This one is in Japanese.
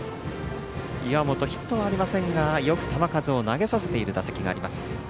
岩本、ヒットはありませんがよく球数を投げさせている打席があります。